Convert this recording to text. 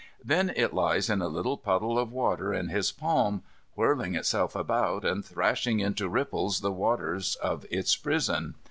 Then it lies in a little puddle of water in his palm, whirling itself about, and thrashing into ripples the waters of its prison.